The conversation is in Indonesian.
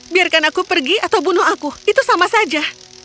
biarkan aku pergi atau bunuh aku itu sama saja